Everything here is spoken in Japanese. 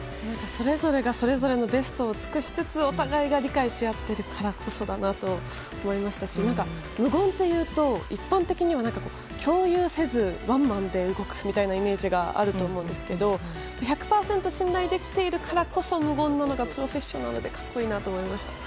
それぞれがそれぞれのベストを尽くしつつお互いが理解し合ってるからこそだなと思いましたし無言というと一般的には共有せずワンマンで動くというイメージがあると思うんですけど１００％信頼できているからこそ無言のプロフェッショナルで格好いいなと思いました。